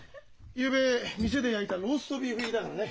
ゆうべ店で焼いたローストビーフ入りだからね。